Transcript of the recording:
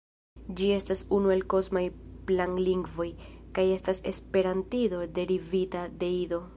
Ĝi estas unu el "kosmaj planlingvoj" kaj estas esperantido derivita de Ido.